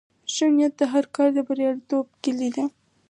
ښه نیت د هر کار د بریالیتوب کیلي ده.